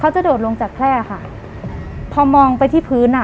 โดดลงจากแพร่ค่ะพอมองไปที่พื้นอ่ะ